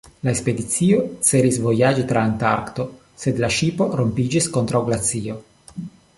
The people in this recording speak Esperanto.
La ekspedicio celis vojaĝi tra Antarkto, sed la ŝipo rompiĝis kontraŭ glacio.